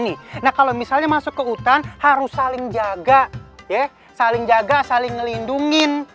nih nah kalau misalnya masuk ke hutan harus saling jaga saling jaga saling ngelindungin